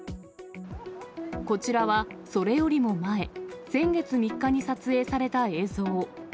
こちらはそれよりも前、先月３日に撮影された映像。